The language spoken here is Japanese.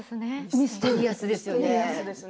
ミステリアスですよね。